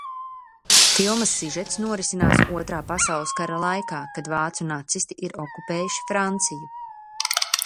Filmas sižets norisinās Otrā pasaules kara laikā, kad vācu nacisti ir okupējuši Franciju.